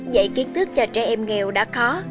dạy kiến thức cho trẻ em nghèo đã khó